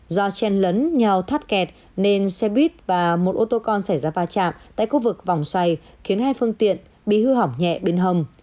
do chen lấn nhau thoát kẹt nên xe buýt và một ô tô con xảy ra va chạm tại khu vực vòng xoay khiến hai phương tiện bị hư hỏng nhẹ bên hầm